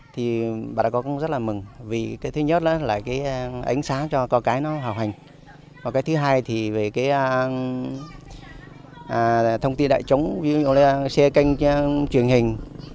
thứ hai thì về thông tin đại chúng xe kênh truyền hình